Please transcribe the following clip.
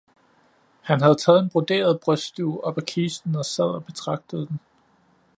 Han havde taget en broderet brystdug op af kisten og sad og betragtede den.